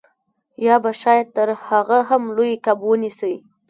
یا به شاید تر هغه هم لوی کب ونیسئ